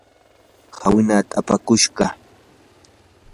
hawnaata apakushqa.